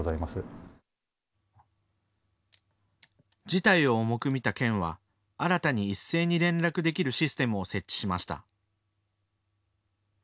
事態を重く見た県は新たに一斉に連絡できるシステムを設置しました。